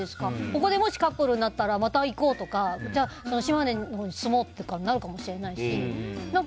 ここで、もしカップルになったらまた行こうとか島根のほうに住もうともなるかもしれないし。